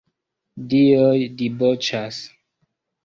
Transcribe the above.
Dioj diboĉas.